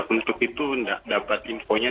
untuk itu dapat infonya